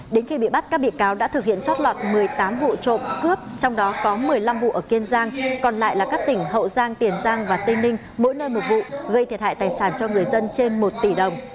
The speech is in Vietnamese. đến khi bị bắt các bị cáo đã thực hiện chót lọt một mươi tám vụ trộm cướp trong đó có một mươi năm vụ ở kiên giang còn lại là các tỉnh hậu giang tiền giang và tây ninh mỗi nơi một vụ gây thiệt hại tài sản cho người dân trên một tỷ đồng